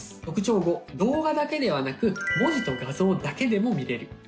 特徴５動画だけではなく文字と画像だけでも見れる。